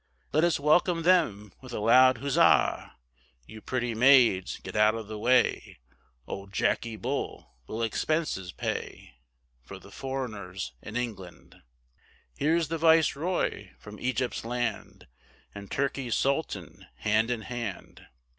Let us welcome them with a loud huzza, You pretty maids get out of the way, Old Jacky Bull will expenses pay, For the foreigners in England: Here's the Viceroy from Egypt's land And Turkey's Sultan hand in hand.